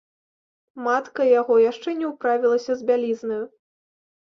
Матка яго яшчэ не ўправілася з бялізнаю.